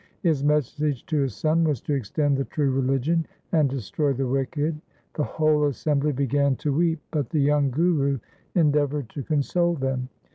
His message to his son was to extend the true religion, and destroy the wicked. The whole assembly began to weep, but the young Guru endeavoured to console them.